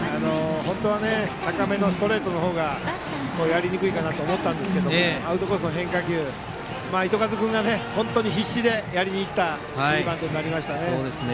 高めのストレートの方がやりにくいと思ったんですがアウトコースの変化球糸数君が本当に必死でやりにいったいいバントになりましたね。